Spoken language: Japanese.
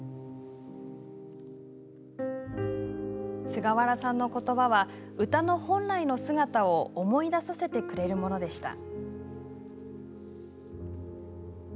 菅原さんのことばは歌の本来の姿を思い出させてくれるものでした。